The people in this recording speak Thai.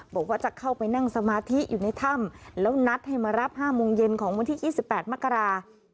บอกว่าจะเข้าไปนั่งสมาธิอยู่ในถ้ำแล้วนัดให้มารับ๕โมงเย็นของวันที่๒๘มกรา